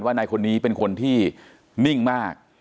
นายคนนี้เป็นคนที่นิ่งมาก